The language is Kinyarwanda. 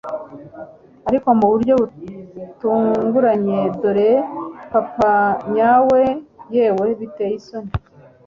Ariko mu buryo butunguranye dore papa nyawe yewe biteye isoni